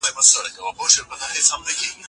داسې روښانه او ګرم.